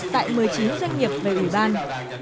tại một mươi chín doanh nghiệp về ủy ban